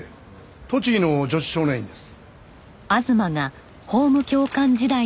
栃木の女子少年院です。